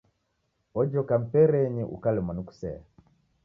Ojoka mperenyi, ukalemwa ni kusea.